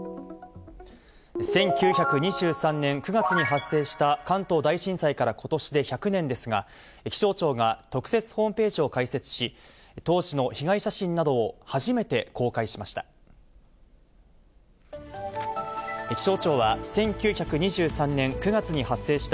１９２３年９月に発生した、関東大震災から、ことしで１００年ですが、気象庁が特設ホームページを開設し、当時の被害写真などを初めて公開しました。